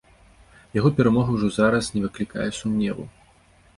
Яго перамога ўжо зараз не выклікае сумневу.